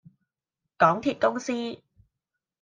港鐵公司